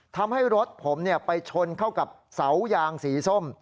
ทำให้รถผมไปชนเข้ากับเสายางสีส้ม